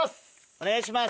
お願いします。